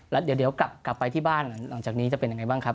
แล้วเดี๋ยวกลับไปที่บ้านหลังจากนี้จะเป็นยังไงบ้างครับ